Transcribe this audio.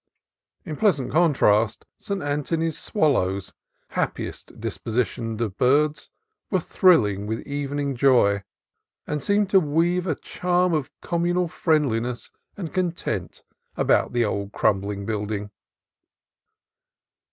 In pleasant contrast, St. Anthony's swallows, happiest dispositioned of birds, were thrilling with evening joy, and seemed to weave a charm of com munal friendliness and content about the old crumb ling building.